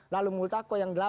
lalu multakoh yang delapan